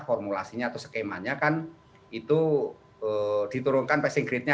formulasinya atau skemanya kan itu diturunkan passing grade nya